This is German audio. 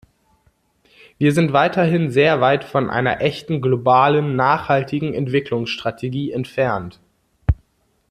Wir sind weiterhin sehr weit von einer echten, globalen, nachhaltigen Entwicklungsstrategie entfernt.